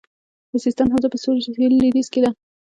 د سیستان حوزه په سویل لویدیځ کې ده